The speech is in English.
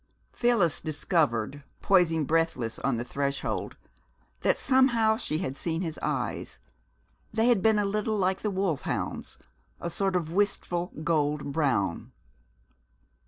Phyllis discovered, poising breathless on the threshold, that somehow she had seen his eyes. They had been a little like the wolfhound's, a sort of wistful gold brown.